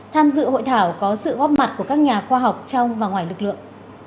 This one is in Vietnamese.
tham dự hội thảo có sự góp mặt của các nhà khoa học trong và ngoài lực lượng